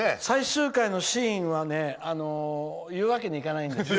最終回のシーンは言うわけにはいかなのでね。